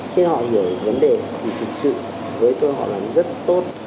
khi họ hiểu vấn đề thì thực sự với tôi họ làm rất tốt